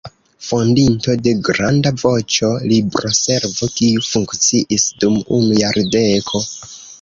Fondinto de granda "Voĉo-Libroservo" kiu funkciis dum unu jardeko.